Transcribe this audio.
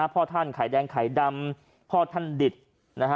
พ่อท่านไข่แดงไข่ดำพ่อท่านดิตนะฮะ